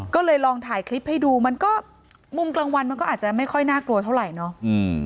ก็เลยลองถ่ายคลิปให้ดูมันก็มุมกลางวันมันก็อาจจะไม่ค่อยน่ากลัวเท่าไหร่เนาะ